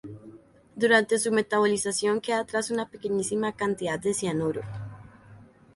Durante su metabolización queda atrás una pequeñísima cantidad de cianuro.